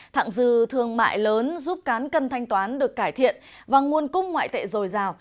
thẳng dư thương mại lớn giúp cán cân thanh toán được cải thiện và nguồn cung ngoại tệ dồi dào